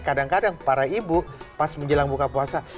kadang kadang para ibu pas menjelang buka puasa